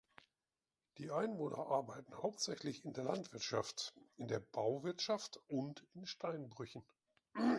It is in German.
Die Einwohner arbeiten hauptsächlich in der Landwirtschaft, in der Bauwirtschaft und in Steinbrüchen.